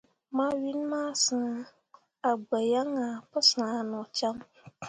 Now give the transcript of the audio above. Mawin masǝ̃he a gbǝ yaŋ ahe pǝ sah no cam.